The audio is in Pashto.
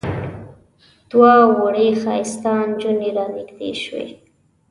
دوه وړې ښایسته نجونې را نږدې شوې.